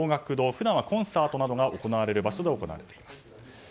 本来はコンサートなどが行われる場所で行われています。